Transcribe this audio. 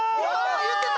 「言ってた！」